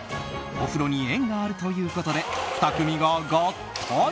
お風呂に縁があるということで２組が合体。